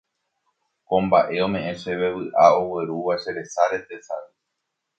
Ko mbaʼe omeʼẽ chéve vyʼa oguerúva che resáre tesay.